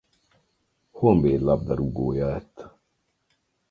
Honvéd labdarúgója lett.